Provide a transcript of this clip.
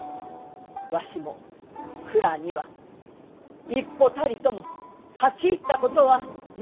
わしも蔵には一歩たりとも立ち入ったことはない！